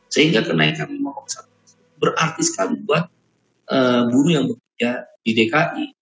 sehingga kenaikan lima puluh satu berarti sekali buat buruh yang bekerja di dki